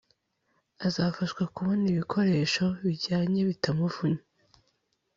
azafashwa kubona ibikoresho bijyanye bitamuvunnye